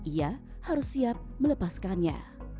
ia harus siap melepaskannya